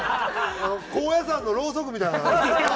高野山のろうそくみたいな。